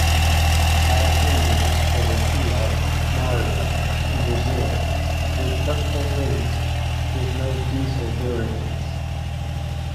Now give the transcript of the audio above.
All engines for the Fiat Marea in Brazil were petrol-based, with no diesel variants.